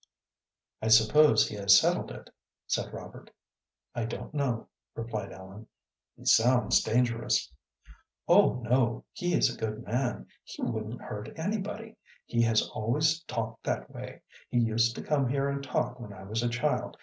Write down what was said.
"I suppose he has settled it," said Robert. "I don't know," replied Ellen. "He sounds dangerous." "Oh, no. He is a good man. He wouldn't hurt anybody. He has always talked that way. He used to come here and talk when I was a child.